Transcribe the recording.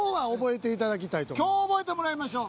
今日覚えてもらいましょう。